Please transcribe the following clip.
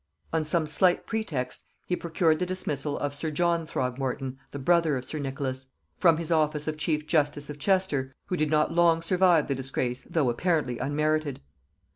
On some slight pretext he procured the dismissal of sir John Throgmorton, the brother of sir Nicholas; from his office of chief justice of Chester, who did not long survive the disgrace though apparently unmerited.